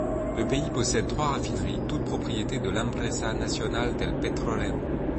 Le pays possède trois raffineries, toutes propriétés de l'Empresa Nacional del Petróleo.